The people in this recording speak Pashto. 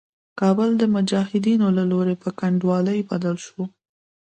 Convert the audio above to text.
کابل د مجاهدينو له لوري په کنډوالي بدل شو.